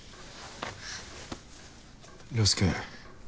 良介